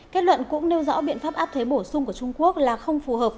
kết luận cũng nêu rõ biện pháp áp thuế bổ sung của trung quốc là không phù hợp